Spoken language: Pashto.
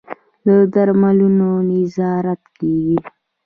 د درملتونونو نظارت کیږي؟